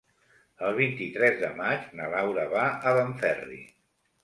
El vint-i-tres de maig na Laura va a Benferri.